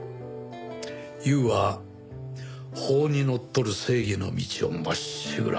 悠は法にのっとる正義の道をまっしぐら。